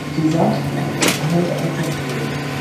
Die Samtgemeinde unterhält eine Grundschule.